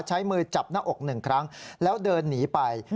ใช้มือจับหน้าอกหนึ่งครั้งแล้วเดินหนีไป